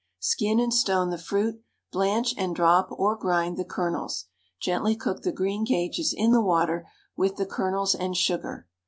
Skin and stone the fruit; blanch and drop (or grind) the kernels; gently cook the greengages in the water with the kernels and sugar.